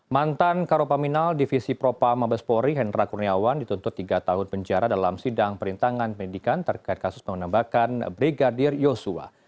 mantan karopaminal divisi propa mabespori hendra kurniawan dituntut tiga tahun penjara dalam sidang perintangan pendidikan terkait kasus penembakan brigadir yosua